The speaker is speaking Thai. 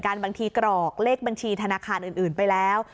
บางทีกรอกเลขบัญชีธนาคารอื่นไปแล้ว